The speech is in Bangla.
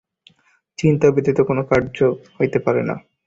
চিন্তা ব্যতীত কোন কার্য হইতে পারে না।